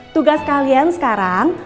tugas kalian sekarang